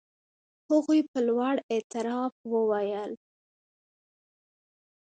هغوی په لوړ اعتراف وویل.